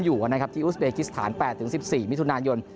อยู่กันนะครับที่อุสเบคิสฐานแปดถึงสิบสี่มิธุนายน